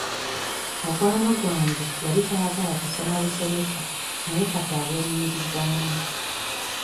Mukwano gwange yali tayagala kusoma busomesa naye kati abwenyumirizaamu.